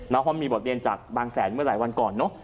เพราะมีบทเรียนจากบางแสนเมื่อหลายวันก่อนเนอะ